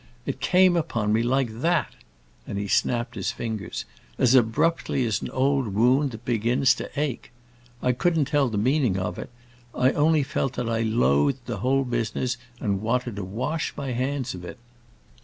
It came upon me like that!" and he snapped his fingers—"as abruptly as an old wound that begins to ache. I couldn't tell the meaning of it; I only felt that I loathed the whole business and wanted to wash my hands of it.